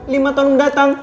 lima tahun datang